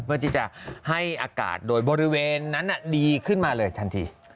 เพื่อที่จะให้อากาศโดยบริเวณนั้นดีขึ้นมาเลยทันที